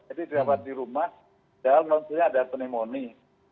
jadi di rumah padahal maksudnya ada pneumonia